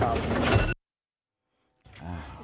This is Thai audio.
ใช่ครับ